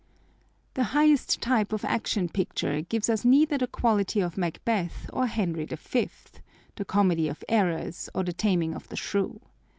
The highest type of Action Picture gives us neither the quality of Macbeth or Henry Fifth, the Comedy of Errors, or the Taming of the Shrew.